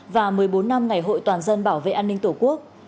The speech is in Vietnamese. và một mươi bốn năm ngày hội toàn dân bảo vệ an ninh tổ quốc